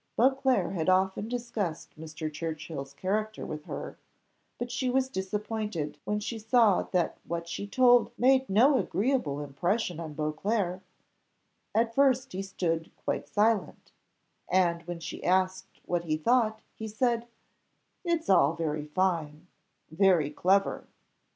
Beauclerc had often discussed Mr. Churchill's character with her, but she was disappointed when she saw that what she told made no agreeable impression on Beauclerc: at first he stood quite silent, and when she asked what he thought, he said "It's all very fine, very clever."